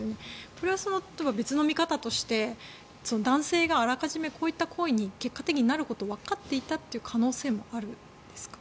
これは、別の見方として男性があらかじめこういった行為に結果的になることをわかっていたという可能性もあるんですか。